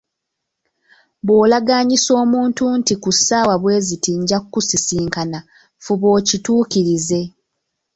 Bw'olagaanyisa omuntu nti ku ssaawa bwe ziti nja kukusisinkana, fuba okituukirize.